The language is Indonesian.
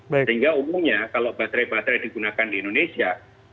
sehingga umumnya kalau baterai baterai digunakan di indonesia